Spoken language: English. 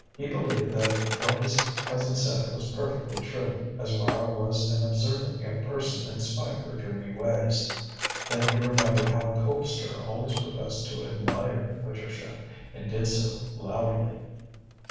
He believed that what his cousin said was perfectly true, as Mara was an observant young person in spite of her dreamy ways. Then he remembered how Colpster always professed to admire Patricia, and did so loudly.